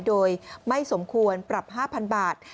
โดยไม่สมควรปรับ๕๐๐๐บาท